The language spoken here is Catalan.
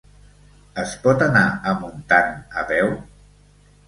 Es pot anar a Montant a peu?